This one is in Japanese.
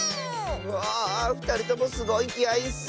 わあっふたりともすごいきあいッス！